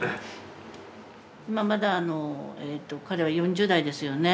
まだ彼は４０代ですよね。